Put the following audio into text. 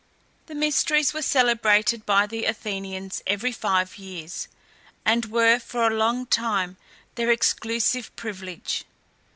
The Mysteries were celebrated by the Athenians every five years, and were, for a long time, their exclusive privilege.